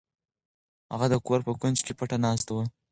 هغه د کور په کونج کې پټه ناسته وه.